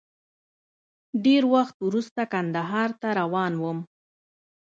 ډېر وخت وروسته کندهار ته روان وم.